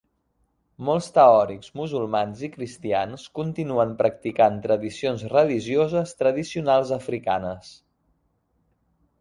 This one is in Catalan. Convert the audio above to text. Molts teòrics musulmans i cristians continuen practicant tradicions religioses tradicionals africanes.